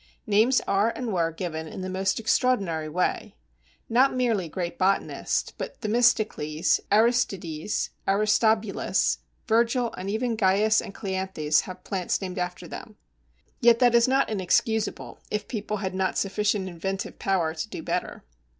Names are and were given in the most extraordinary way. Not merely great botanists, but Themistocles, Aristides, Aristobulus, Virgil, and even Gyas and Clianthes, have plants named after them. Yet that is not inexcusable, if people had not sufficient inventive power to do better.